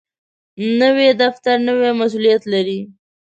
نوی دفتر نوی مسؤولیت لري